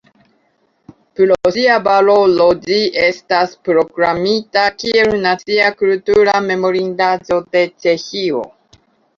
Pro sia valoro ĝi estas proklamita kiel Nacia kultura memorindaĵo de Ĉeĥio.